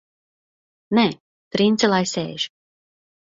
Nē, Trince lai sēž!